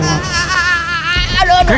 aduh aduh aduh